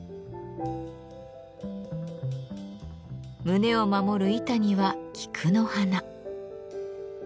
胸を守る板には菊の花。